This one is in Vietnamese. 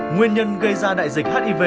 nguyên nhân gây ra đại dịch hiv